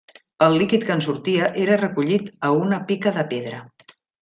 El líquid que en sortia era recollit a una pica de pedra.